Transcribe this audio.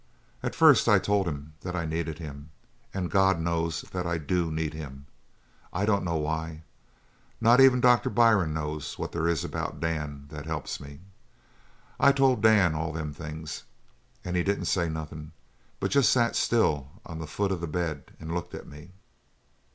At first I told him that I needed him and God knows that I do need him. I dunno why not even Doc Byrne knows what there is about Dan that helps me. I told Dan all them things. And he didn't say nothin', but jest sat still on the foot of the bed and looked at me.